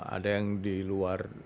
ada yang di luar